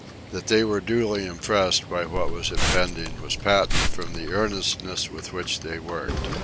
That they were duly impressed by what was impending was patent from the earnestness with which they worked.